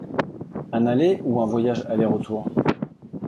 Un aller ou un voyage aller-retour ?